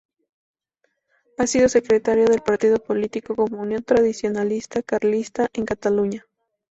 Ha sido secretario del partido político Comunión Tradicionalista Carlista en Cataluña.